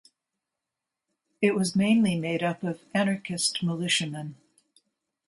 It was mainly made up of anarchist militiamen.